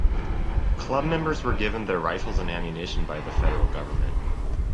Club members were given their rifles and ammunition by the federal government.